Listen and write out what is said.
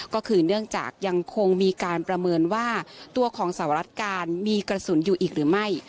ก็คือเนื่องจากยังคงมีการประเมินว่าตัวของสหรัฐการมีกระสุนอยู่อีกหรือไม่